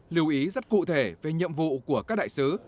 lưu ý rất cụ thể về nhiệm vụ của các đại sứ